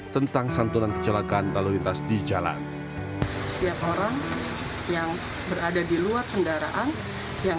tentang santunan kecelakaan lalu lintas di jalan setiap orang yang berada di luar kendaraan yang